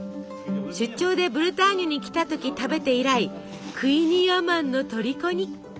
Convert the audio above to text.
出張でブルターニュに来たとき食べて以来クイニーアマンのとりこに。